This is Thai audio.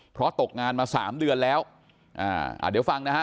เพราะตกงานมาสามเดือนแล้วอ่าอ่าเดี๋ยวฟังนะฮะ